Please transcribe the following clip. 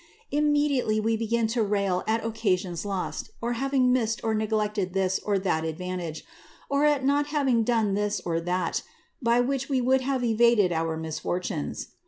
Immediately we begin to rail at occasions lost, at having missed or neg lected this or that advantage, or at not having done this or that, by which we would have evaded our misfortunes.